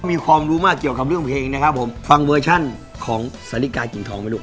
มีความรู้มากเกี่ยวกับเรื่องเพลงนะครับผมฟังเวอร์ชันของสาฬิกากิ่งทองไหมลูก